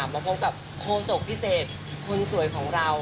มาพบกับโคศกพิเศษคนสวยของเรา